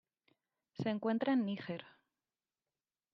Se encuentra en Níger.